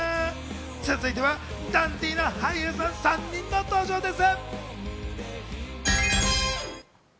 続いてはダンディーな俳優さん３人の登場です。